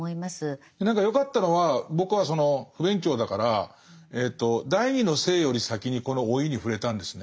何か良かったのは僕はその不勉強だから「第二の性」より先にこの「老い」に触れたんですね。